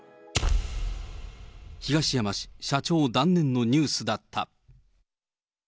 東山氏社長断念のニュースだった。